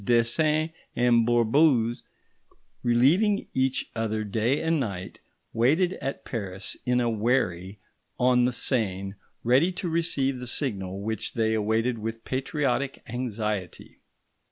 Desains and Bourbouze, relieving each other day and night, waited at Paris, in a wherry on the Seine, ready to receive the signal which they awaited with patriotic anxiety.